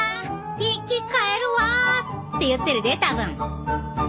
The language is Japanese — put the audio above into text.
生き返るわ！って言ってるで多分。